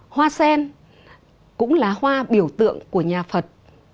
hoa sen cũng là hoa biểu tượng của nhà phật